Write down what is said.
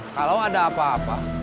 kalau ada apa apa